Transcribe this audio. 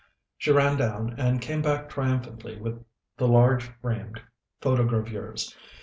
She ran down, and came back triumphantly with the large framed photogravures.